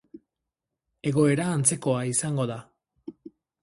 Egoera antzekoa izango da.